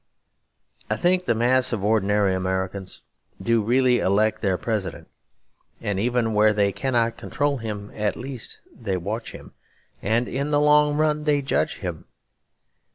I think the mass of ordinary Americans do really elect their President; and even where they cannot control him at least they watch him, and in the long run they judge him.